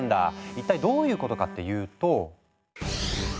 一体どういうことかっていうと。